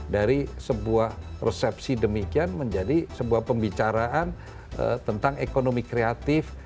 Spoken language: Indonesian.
dari sebuah resepsi demikian menjadi sebuah pembicaraan tentang ekonomi kreatif